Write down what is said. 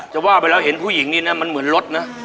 จะว่าไปแล้วเห็นผู้หญิงนี่นะมันเหมือนรถนะ